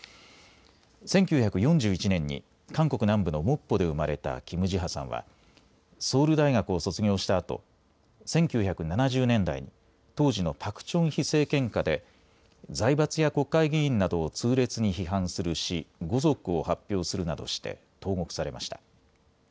１９４１年に韓国南部のモッポで生まれたキム・ジハさんはソウル大学を卒業したあと１９７０年代に当時のパク・チョンヒ政権下で財閥や国会議員などを痛烈に批判する詩、五賊を発表するなどして投獄されました。